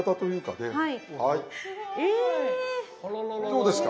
どうですか？